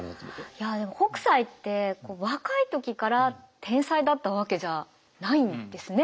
いやでも北斎って若い時から天才だったわけじゃないんですね。